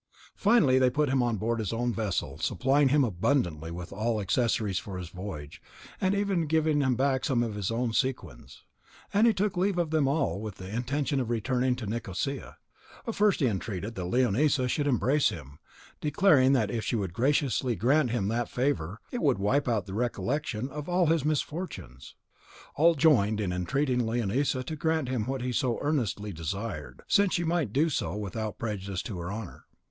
Finally, they put him on board his own vessel, supplying him abundantly with all accessories for his voyage, and even giving him back some of his own sequins; and he took leave of them all with the intention of returning to Nicosia; but first he entreated that Leonisa would embrace him, declaring that if she would graciously grant him that favour, it would wipe out the recollection of all his misfortunes. All joined in entreating Leonisa to grant him what he so earnestly desired, since she might do so without prejudice to her honour.